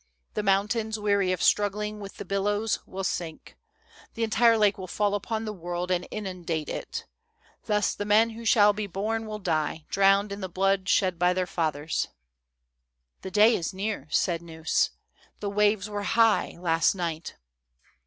The mountains, weary of straggling with the billows, will sink. The entire lake will fall upon the world and inundate it. Thus the men who shall be born will die, drowned in the blood shed by their fathers !'"" The day is near," said Gneuss :" the waves were high, last night."